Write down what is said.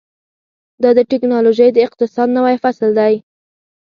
دا د ټیکنالوژۍ د اقتصاد نوی فصل دی.